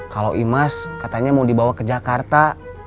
kalau imas katanya mau dibawa ke jakarta